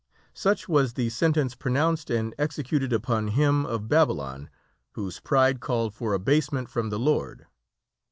Such was the sentence pronounced and executed upon him of Babylon whose pride called for abasement from the Lord.